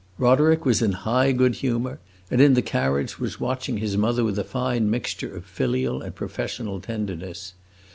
Roderick was in high good humor, and, in the carriage, was watching his mother with a fine mixture of filial and professional tenderness.